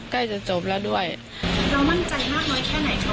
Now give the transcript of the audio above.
ใกล้จะจบแล้วด้วยเรามั่นใจมากน้อยแค่ไหนคะ